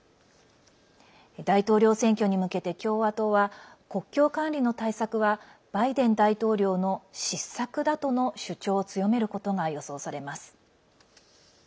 大統領選挙に向けて、共和党は国境管理の対策はバイデン大統領の失策だとの主張を強めることが予想されます。